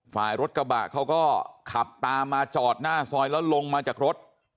ฝ่ายรถกระบะเขาก็ขับตามมาจอดหน้าซอยแล้วลงมาจากรถ